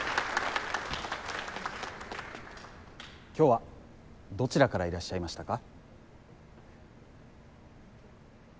今日はどちらからいらっしゃいましたか？